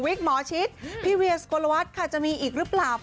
วิทย์หมอชิดพี่เวียนสโกนวัดค่ะจะมีอีกหรือเปล่า